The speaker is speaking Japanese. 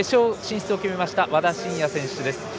予選１組決勝進出を決めました和田伸也選手です。